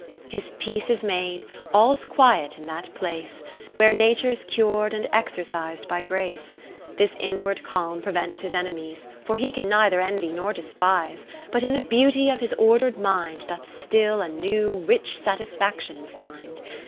His peace is made, all's quiet in that place, Where Nature 's cur'd and exercis'd by Grace. 20 This inward calm prevents his enemies. For he can neither envy nor despise : But in the beauty of his ordered mind Doth still a new, rich satisfaction find.